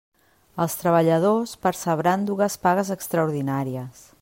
Els treballadors percebran dues pagues extraordinàries.